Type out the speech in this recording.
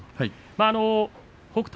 北勝